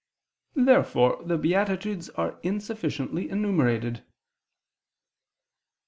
Therefore the beatitudes are insufficiently enumerated.